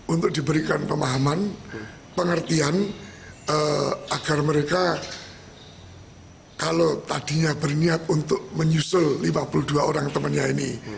untuk diberikan pemahaman pengertian agar mereka kalau tadinya berniat untuk menyusul lima puluh dua orang temannya ini